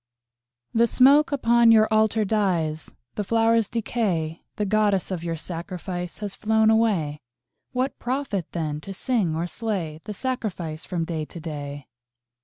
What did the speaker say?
_) The smoke upon your Altar dies, The flowers decay, The Goddess of your sacrifice Has flown away. What profit, then, to sing or slay The sacrifice from day to day?